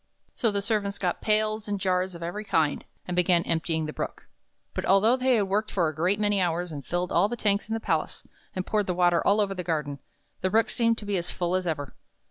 So the servants got pails and jars of every kind, and began emptying the Brook. But although they worked for a great many hours, and filled all the tanks in the palace, and poured the water all over the garden, the Brook seemed to be as full as ever.